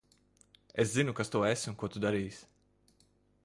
Es zinu, kas tu esi un ko tu darīsi.